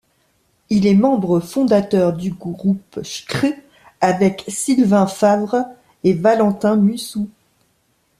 Il est membre fondateur du groupe Chkrrr avec Sylvain Favre et Valentin Mussou.